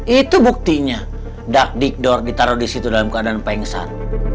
itu buktinya dek dek door ditaruh disitu dalam keadaan pengsan